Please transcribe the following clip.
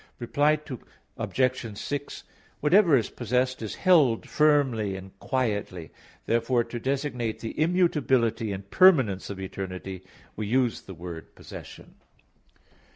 Reply Obj. 6: Whatever is possessed, is held firmly and quietly; therefore to designate the immutability and permanence of eternity, we use the word "possession."